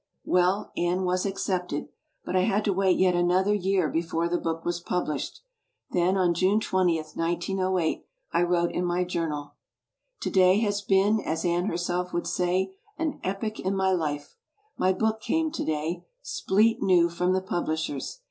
I7«l b, Google Well, Antif was accepted; but I had to wait yet another year before the book was published. Then on June 20th, 1908, I wrote in my journal: "To day has been, as Anne herself would say, 'an epoch in my life.' My book came to day, 'spleet new' from the publishers.